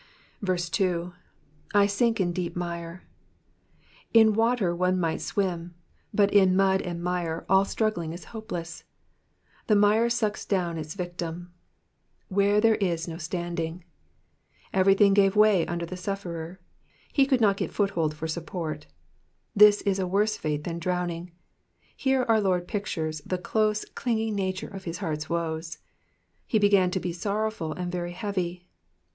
2. / sinJc in deep mire,'''* In water one might swim, but in mud and mire all struggling is hopeless ; the mire sucks down its victim. *' Where there is no sfanding,''^ Everything gave way under the Sufferer ; he could not get foot hold for support — this is a worse fate than drowning. Here our Lord pictures the close, clinging nature o! his heart's woes. He began to be son owful, and very heavy."